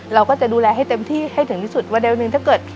เราก็จะดูแลให้เต็มที่ให้ถึงที่สุดว่าเร็วหนึ่งถ้าเกิด